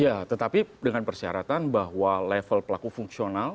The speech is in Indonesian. ya tetapi dengan persyaratan bahwa level pelaku fungsional